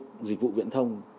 sử dụng dịch vụ viễn thông